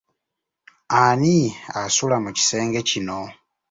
Ani asula mu kisenge kino?